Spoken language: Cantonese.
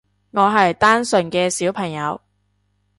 我係單純嘅小朋友